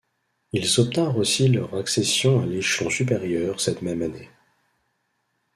Ils obtinrent aussi leur accession à l'échelon supérieur cette même année.